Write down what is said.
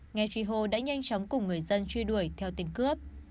nghe truy hô đã nhanh chóng cùng người dân truy đuổi theo tên cướp